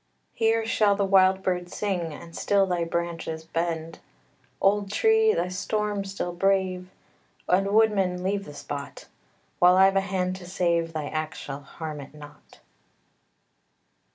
Here shall the wild bird sing, And still thy branches bend. Old tree! the storm still brave! And, woodman, leave the spot; While I've a hand to save, thy axe shall harm it not.